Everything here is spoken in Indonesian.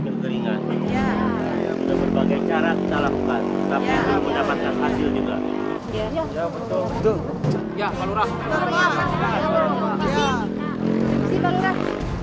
terima kasih pak lurah